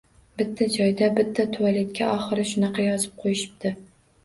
Bitta joyda bitta tualetga oxiri shunaqa yozib qo‘yishibdi.